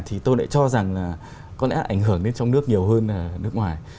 thì tôi lại cho rằng là có lẽ ảnh hưởng đến trong nước nhiều hơn là nước ngoài